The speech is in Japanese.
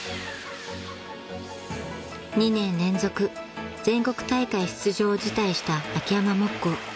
［２年連続全国大会出場を辞退した秋山木工］